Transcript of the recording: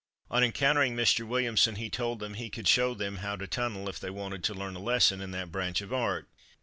On encountering Mr. Williamson, he told them "he could show them how to tunnel if they wanted to learn a lesson in that branch of art."